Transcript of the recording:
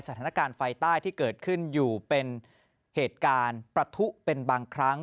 สถานการณ์ไฟใต้ที่เกิดขึ้นอยู่เป็นเหตุการณ์ประทุเป็นบางครั้ง